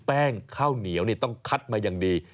ข้าวเหนียวต้องคัดมาอย่างดี